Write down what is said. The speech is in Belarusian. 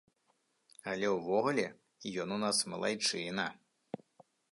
Але ўвогуле, ён у нас малайчына.